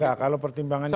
nah kalau pertimbangannya